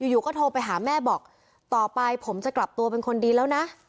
อยู่ก็โทรไปหาแม่บอกต่อไปผมจะกลับตัวเป็นคนดีแล้วนะ